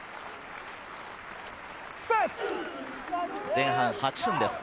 前半８分です。